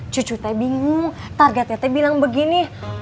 cucu teh bingung targa teh bilang begini